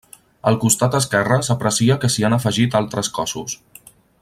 Al costat esquerre s'aprecia que s'hi han afegit altres cossos.